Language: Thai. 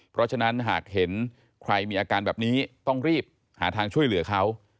เพราะฉะนั้นหากเห็นใครมีอาการแบบนี้ต้องรีบหาทางช่วยเหลือเขา